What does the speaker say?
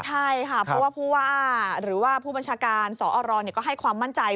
ใช่ค่ะเพราะว่าผู้บัญชาการสอให้ความมั่นใจ